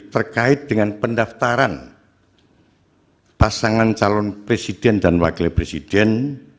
terkait dengan pendaftaran pasangan calon presiden dan wakil presiden